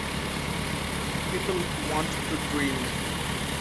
People want to dream.